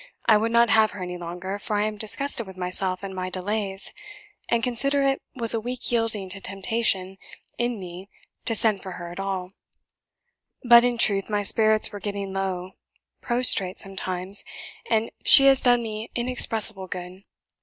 I would not have her any longer, for I am disgusted with myself and my delays; and consider it was a weak yielding to temptation in me to send for her at all; but in truth, my spirits were getting low prostrate sometimes and she has done me inexpressible good.